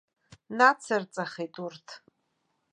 Нацырҵахит урҭ.